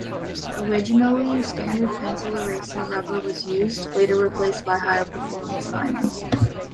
Originally standard pencil-eraser rubber was used, later replaced by higher-performance vinyl.